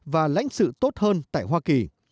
và lãnh sự tốt hơn tại hoa kỳ